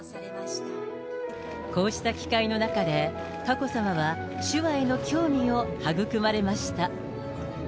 こうした機会の中で、佳子さまは手話への興味を育まれました。